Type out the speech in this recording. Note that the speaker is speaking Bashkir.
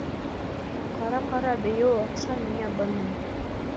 Ҡара, ҡара, бейеүе оҡшай миңә бының.